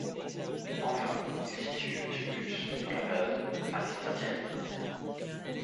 Enfin, il situe le tumulus dans la période halstattienne.